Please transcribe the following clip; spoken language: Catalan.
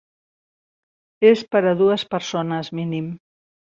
És per a dues persones mínim.